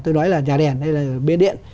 tôi nói là nhà đèn hay là bên điện